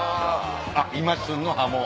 あっ今旬のハモ。